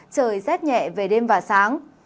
trời rét nhẹ về đêm và sáng